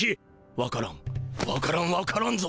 わからんわからんわからんぞ。